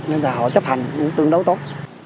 nên là họ chấp hành tương đối tốt